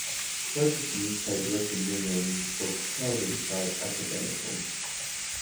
Rogerson played rugby union for Kelvinside Academicals.